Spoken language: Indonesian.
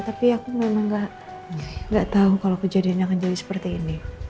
tapi aku memang gak tahu kalau kejadiannya akan jadi seperti ini